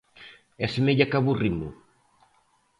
E semella que a bo ritmo.